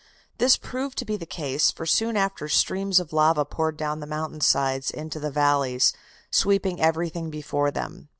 "This proved to be the case, for soon after streams of lava poured down the mountain sides into the valleys, sweeping everything before them.